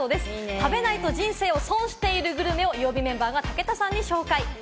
食べないと人生を損しているグルメを曜日メンバーが武田さんにご紹介。